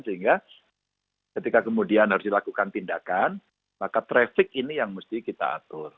sehingga ketika kemudian harus dilakukan tindakan maka traffic ini yang mesti kita atur